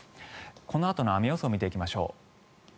このあとの雨予想を見ていきましょう。